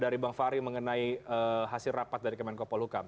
dari bang ferry mengenai hasil rapat dari kemenko polhukam